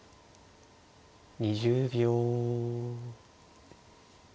２０秒。